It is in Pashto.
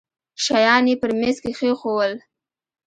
شيان يې پر ميز کښېښوول.